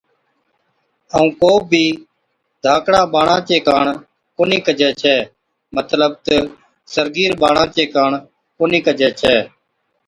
ائُون ڪو بِي ڌاڪڙي ٻاڙا چي ڪاڻ ڪونھِي ڪجَي ڇَي مطلب تہ سرگِير ٻاڙا چي ڪاڻ ڪونهِي ڪجَي ڇَي